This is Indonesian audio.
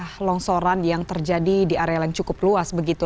ada longsoran yang terjadi di area yang cukup luas begitu